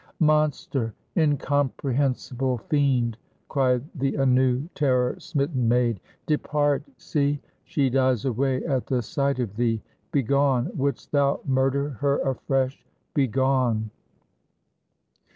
"Monster! incomprehensible fiend!" cried the anew terror smitten maid "depart! See! she dies away at the sight of thee begone! Wouldst thou murder her afresh? Begone!"